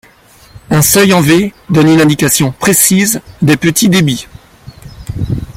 Un seuil en V donne une indication précise des petits débits.